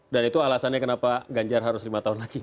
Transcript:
dan itu alasannya kenapa ganjar harus lima tahun lagi